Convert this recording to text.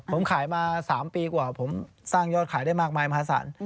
ผมขายมา๓ปีกว่าผมสร้างยอดขายได้มากมายมหาศาล